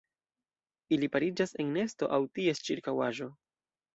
Ili pariĝas en nesto aŭ ties ĉirkaŭaĵo.